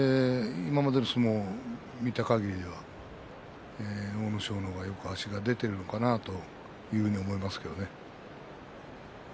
今までの相撲を見たかぎりは阿武咲の方がよく足が出ているのかなというふうに思いますけどね。